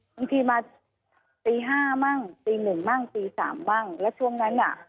บางทีมาตีห้ามั่งตีหนึ่งมั่งตีสามบ้างแล้วช่วงนั้นอ่ะ